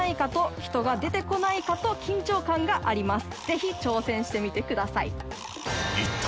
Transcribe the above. ぜひ挑戦してみてください。